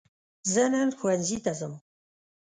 زه نن ښوونځي ته ځم